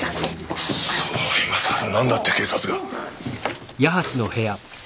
クソいまさらなんだって警察が。